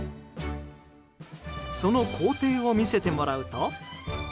その工程を見せてもらうと。